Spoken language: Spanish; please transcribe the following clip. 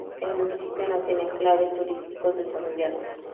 El municipio no tiene enclaves turísticos desarrollados.